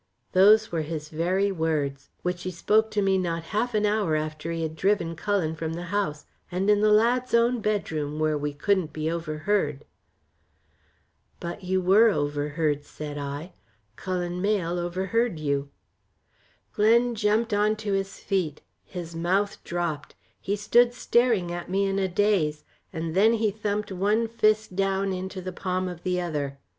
Those were his very words, which he spoke to me not half an hour after he had driven Cullen from the house, and in the lad's own bedroom, where we couldn't be overheard." "But you were overheard," said I, "Cullen Mayle overheard you." Glen jumped on to his feet, his mouth dropped, he stood staring at me in a daze, and then he thumped one fist down into the palm of the other.